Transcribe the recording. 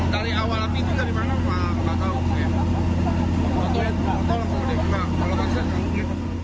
karyawan gudang yang sudah terbakar membuat api terbakar